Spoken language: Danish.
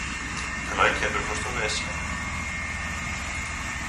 Med det mener jeg, at vi faktisk har mange forskellige arbejdsopgaver.